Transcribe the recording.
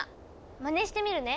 まねしてみるね。